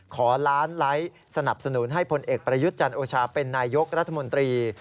ขอล้านไลค์สนับสนุนให้พลเอกประยุทธ์จันโอชาเป็นนายยกรัฐมนตรี